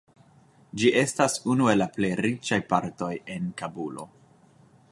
Ĝi estas unu el la plej riĉaj partoj en Kabulo.